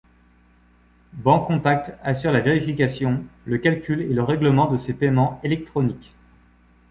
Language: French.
Bancontact assure la vérification, le calcul et le règlement de ces paiements électroniques.